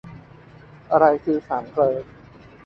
อะไรคือสามเกลอ